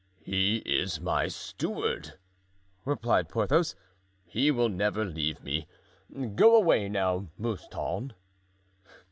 "He is my steward," replied Porthos; "he will never leave me. Go away now, Mouston."